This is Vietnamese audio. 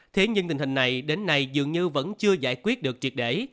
thế nhưng tình hình này đến nay dường như vẫn chưa giải quyết được triệt để